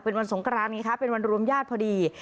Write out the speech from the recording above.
เป็นวันสงกรานไงคะเป็นวันรวมญาติพอดี